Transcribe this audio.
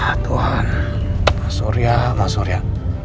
ya tuhan mas surya mas surya